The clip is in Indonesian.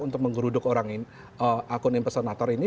untuk menggeruduk akun impersonator ini